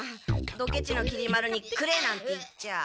ドケチのきり丸に「くれ」なんて言っちゃ。